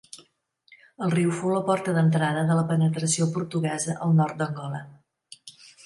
El riu fou la porta d'entrada de la penetració portuguesa al nord d'Angola.